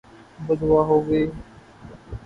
بدعا ہو گئی